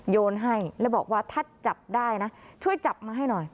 โยนให้แล้วบอกว่าถ้าจับได้นะช่วยจับมาให้หน่อย